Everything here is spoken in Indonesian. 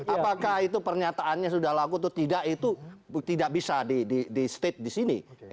apakah itu pernyataannya sudah laku atau tidak itu tidak bisa di state di sini